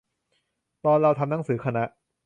ตอนเราทำหนังสือคณะ